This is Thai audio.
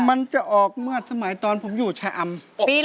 มันจะออกเมื่อสมัยตอนผมอยู่ชะอำ